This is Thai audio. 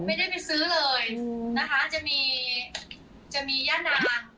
ไม่ได้ไปซื้อเลยนะคะจะมีจะมีย่านาง